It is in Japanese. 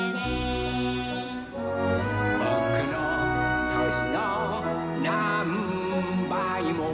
「ぼくのとしのなんばいも」